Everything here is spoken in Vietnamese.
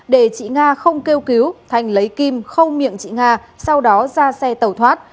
để chị nga không kêu cứu thành lấy kim không miệng chị nga sau đó ra xe tẩu thoát